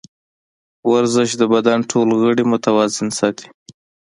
ورزش د بدن ټول غړي متوازن ساتي.